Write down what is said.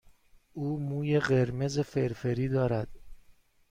او موی قرمز فرفری دارد.